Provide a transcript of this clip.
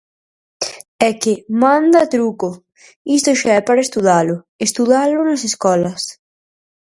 É que ¡manda truco!, isto xa é para estudalo, estudalo nas escolas.